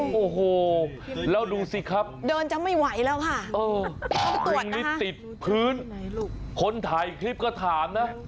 พรุ่งนี้ติดพื้นคนถ่ายคลิปก็ถามนะ